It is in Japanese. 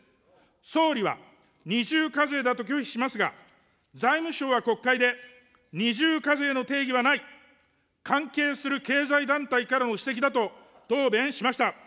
総理は二重課税だと拒否しますが、財務省は国会で二重課税の定義はない、関係する経済団体からの指摘だと答弁しました。